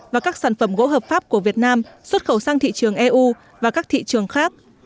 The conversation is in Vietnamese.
và các sản phẩm gỗ hợp pháp của việt nam xuất khẩu sang thị trường eu và các thị trường khác